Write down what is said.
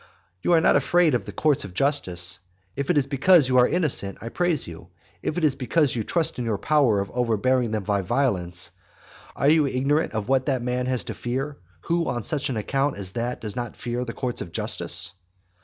You are not afraid of the courts of justice. If it is because you are innocent I praise you, if because you trust in your power of overbearing them by violence, are you ignorant of what that man has to fear, who on such an account as that does not fear the courts of justice?